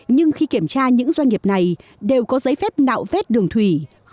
nhưng khi kiểm tra những doanh nghiệp này đều có giấy phép nạo vét đường thủy